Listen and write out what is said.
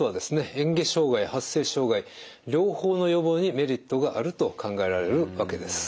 嚥下障害発声障害両方の予防にメリットがあると考えられるわけです。